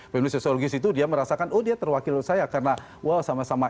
pemilih sosiologis itu dia merasakan oh dia terwakil menurut saya karena wah sama sama